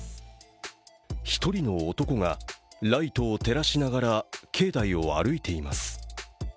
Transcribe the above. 一人の男が、ライトを照らしながら境内を歩いています。